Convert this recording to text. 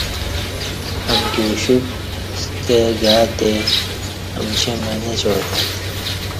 امکی اوشپ ستہ گاتے امشیں مع نچاتت